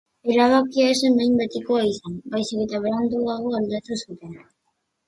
Erabakia ez zen behin-betikoa izan, baizik eta beranduago aldatu zuten.